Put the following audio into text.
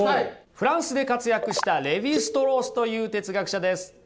フランスで活躍したレヴィ＝ストロースという哲学者です。